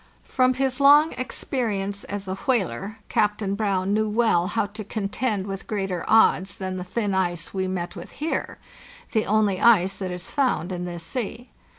From his long experience as a whaler, Captain Brown knew well how to contend with greater odds than the thin ice we met with here—the only ice that is found in this sea.